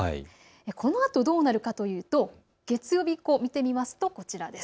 このあとどうなるかというと月曜日以降、見てみますとこちらです。